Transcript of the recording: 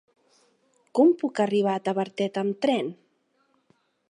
Com puc arribar a Tavertet amb tren?